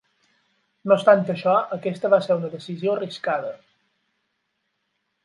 No obstant això, aquesta va ser una decisió arriscada.